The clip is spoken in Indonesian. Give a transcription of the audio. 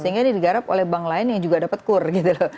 sehingga ini digarap oleh bank lain yang juga dapat kur gitu loh